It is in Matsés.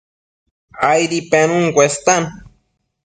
Aidi penun cuestan